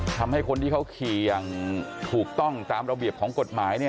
ทำให้คนที่เขาขี่อย่างถูกต้องตามระเบียบของกฎหมายเนี่ย